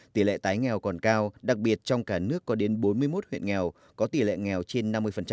tỷ lệ tái nghèo còn cao đặc biệt trong cả nước có đến bốn mươi một huyện nghèo có tỷ lệ nghèo trên năm mươi